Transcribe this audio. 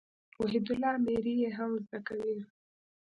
وحيدالله اميري ئې هم زده کوي.